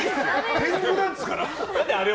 天狗なんですから。